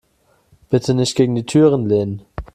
Bitte nicht gegen die Türen lehnen.